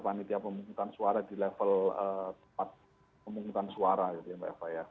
panitia pemungutan suara di level tempat pemungutan suara gitu ya mbak eva ya